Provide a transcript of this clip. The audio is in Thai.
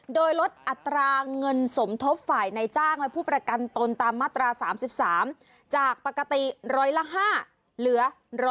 โดยลดอัตราเงินสมทบฝ่ายในจ้างและผู้ประกันตนตามมาตรา๓๓จากปกติร้อยละ๕เหลือ๑๐๐